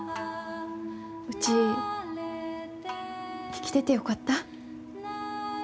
うち生きててよかった。